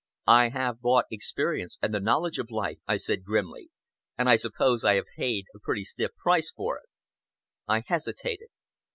"I have bought experience and the knowledge of life," I said grimly, "and I suppose I have paid a pretty stiff price for it." I hesitated.